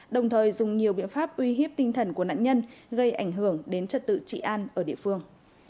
đồng thời dùng nhiều biện pháp uy hiếp tinh thần của nạn nhân gây ảnh hưởng đến trật tự trị an ở địa phương